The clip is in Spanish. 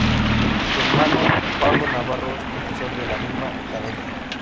Su hermano, Pablo Navarro es profesor de la misma academia.